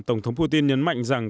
tổng thống putin nhấn mạnh rằng